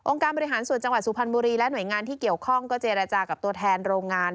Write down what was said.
การบริหารส่วนจังหวัดสุพรรณบุรีและหน่วยงานที่เกี่ยวข้องก็เจรจากับตัวแทนโรงงาน